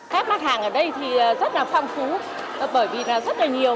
các mặt hàng ở đây thì rất là phong phú bởi vì là rất là nhiều